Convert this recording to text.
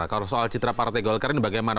kalau soal citra partai golkar ini bagaimana